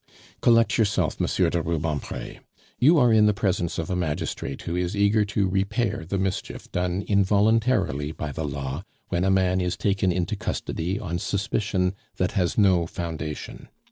"Collect yourself, Monsieur de Rubempre; you are in the presence of a magistrate who is eager to repair the mischief done involuntarily by the law when a man is taken into custody on suspicion that has no foundation.